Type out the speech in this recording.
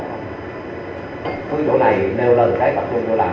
cứ chỗ này nêu lần cái bắt bóng cho làm